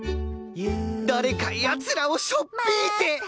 誰か奴らをしょっぴいて！